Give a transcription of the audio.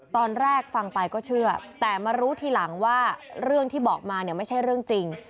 ตอนแรกฟังไปก็เชื่อแต่มารู้ทีหลังว่าเรื่องที่บอกมาเนี่ยไม่ใช่เรื่องจริง